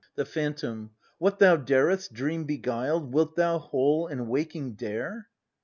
The Phantom. What thou dared 'st, dream beguiled, Wilt thou, whole and waking, dare